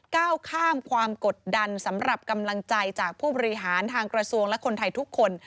ก้าวข้ามความกดดันสำหรับกำลังใจจากผู้บริหารทางกระทรวงและคนไทยทุกคน